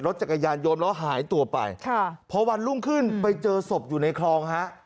จักรยานยนต์แล้วหายตัวไปค่ะพอวันรุ่งขึ้นไปเจอศพอยู่ในคลองฮะ